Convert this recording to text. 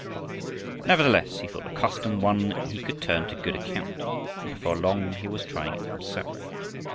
Nevertheless he thought the custom one he could turn to good account, and before long he was trying it himself.